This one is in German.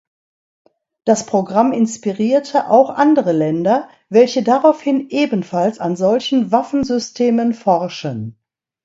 Das Programm inspirierte auch andere Länder, welche daraufhin ebenfalls an solchen Waffensystemen forschen.